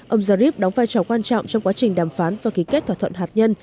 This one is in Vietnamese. ông zarif đóng vai trò quan trọng trong quá trình đàm phán và ký kết thỏa thuận hạt nhân